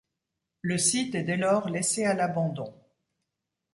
Le site est dès lors laissé à l'abandon.